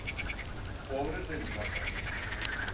Pobres de nusatras!